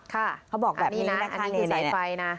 เขาบอกแบบนี้นะอันนี้คือสายไฟนะ